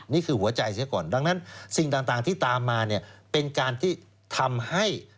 นี่คือหัวใจเสียก่อนดังนั้นสิ่งต่างที่ตามมาเนี่ยเป็นการที่ทำให้